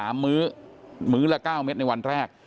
มื้อมื้อละ๙เม็ดในวันแรก